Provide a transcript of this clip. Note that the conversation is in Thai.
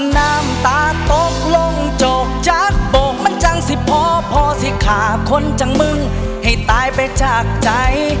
น้ำตาตกลงโจกจากโบกมันจังสิพอสิขาคนจังมึงให้ตายไปจากใจ